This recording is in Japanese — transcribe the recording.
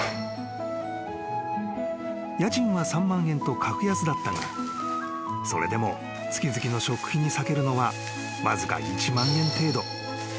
［家賃は３万円と格安だったがそれでも月々の食費に割けるのはわずか１万円程度］